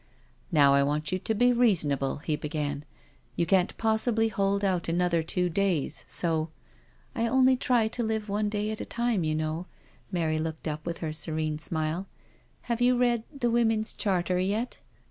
" Now I want you to be reasonable," he began. " You can't possibly hold out another two days, so ..•"" I only try to live one day at a time, you know." Mary looked up with her serene smile. " Have you read the ' Women's Charter ' yet?"